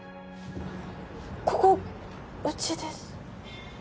ここうちです